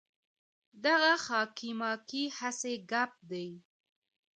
دغه خاکې ماکې هسې ګپ دی.